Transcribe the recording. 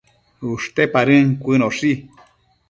ushte padën cuënoshi